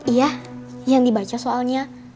iya yang dibaca soalnya